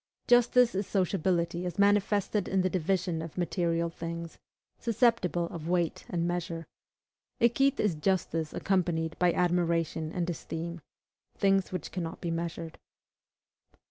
Justice is sociability as manifested in the division of material things, susceptible of weight and measure; equite is justice accompanied by admiration and esteem, things which cannot be measured.